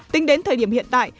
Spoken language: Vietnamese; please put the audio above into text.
tính đến thời điểm hiện tại